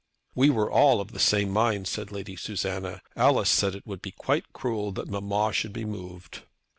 "We were all of the same mind," said Lady Susanna. "Alice said it would be quite cruel that mamma should be moved."